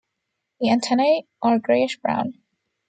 The antennae are grayish brown.